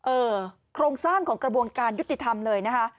โครงสร้างของกระบวนการยุติธรรมเลยนะคะ